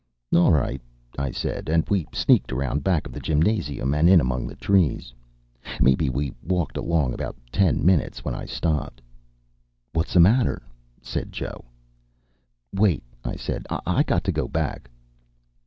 "All right," I said. And we sneaked around back of the gymnasium and in among the trees. Mebbe we walked along about ten minutes, when I stopped. "What's the matter?" said Joe. "Wait," I said. "I got to go back."